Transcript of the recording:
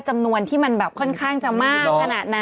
จำนวนที่มันแบบค่อนข้างจะมากขนาดนั้น